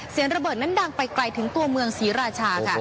เสียงระเบิดนั้นดังไปไกลถึงตัวเมืองศรีราชาค่ะ